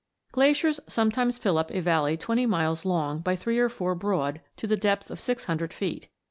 Glaciers sometimes fill up a valley twenty miles long by three or four broad to the depth of six hundred feet.